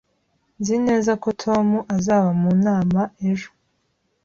Nzi neza ko Tom azaba mu nama ejo